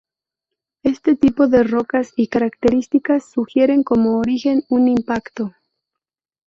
Este tipo de rocas y características sugieren como origen un impacto.